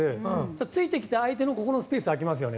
ついてきた相手でここのスペース空きますよね。